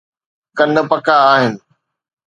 ڪن پڪا آهن.